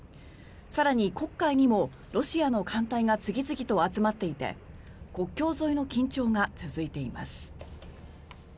更に、黒海にもロシアの艦隊が次々と集まっていて国境沿いの緊張が続いています。